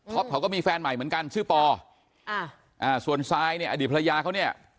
เขาก็มีแฟนใหม่เหมือนกันชื่อปออ่าส่วนซายเนี่ยอดีตภรรยาเขาเนี่ย